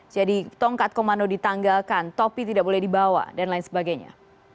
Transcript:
tongkat komando ditanggalkan topi tidak boleh dibawa dan lain sebagainya